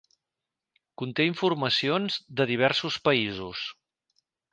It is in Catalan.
Conté informacions de diversos països.